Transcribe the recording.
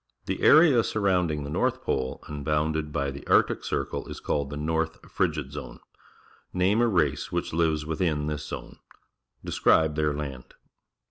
The area surrounding the north pole and bounded by the Arctic Circle is called the N orth Frigid^Zone, Name a cace which lives within this zone. Describe their land.